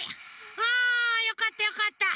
あよかったよかった。